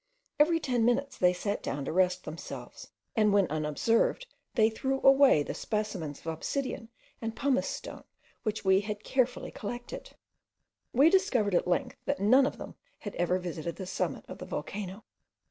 Every ten minutes they sat down to rest themselves, and when unobserved they threw away the specimens of obsidian and pumice stone, which we had carefully collected. We discovered at length that none of them had ever visited the summit of the volcano.